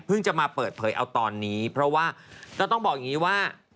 จะมาเปิดเผยเอาตอนนี้เพราะว่าต้องบอกอย่างนี้ว่า